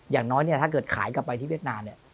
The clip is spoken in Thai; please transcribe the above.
อย่างน้อยถ้าเกิดขายกลับไปที่เวียดนาม